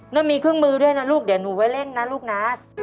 แล้วมีเครื่องมือด้วยนะลูกเดี๋ยวหนูไว้เล่นนะลูกนะ